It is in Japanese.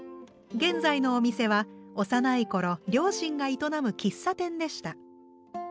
現在のお店は幼い頃両親が営む喫茶店でした。